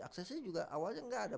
aksesnya juga awalnya nggak ada